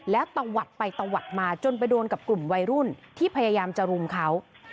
แล้วตะวัดไปตะวัดมาจนไปโดนกับกลุ่มวัยรุ่นที่พยายามจะรุมเขา